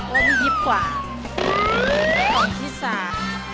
กล่องที่สาม